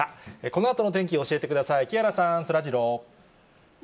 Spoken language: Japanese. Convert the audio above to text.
このあとの天気教えてください、木原さん、そらジロー。